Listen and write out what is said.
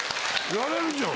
やれるじゃん。